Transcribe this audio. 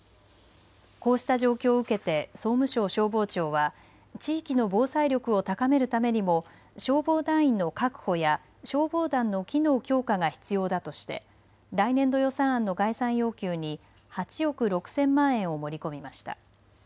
こうした状況を受けて総務省消防庁は地域の防災力を高めるためにも消防団員の確保や消防団の機能強化が必要だとして来年度予算案の概算要求に８億６０００万円を盛り込みました。